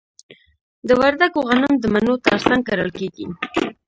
د وردګو غنم د مڼو ترڅنګ کرل کیږي.